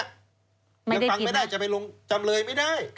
ยังฟังไม่ได้จะไปลงจำเลยไม่ได้